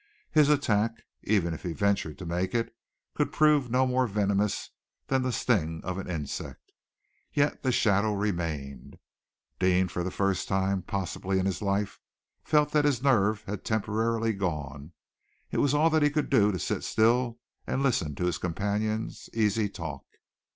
His attack, even if he ventured to make it, could prove no more venomous than the sting of an insect. Yet the shadow remained. Deane, for the first time, possibly, in his life, felt that his nerve had temporarily gone. It was all that he could do to sit still and listen to his companion's easy talk.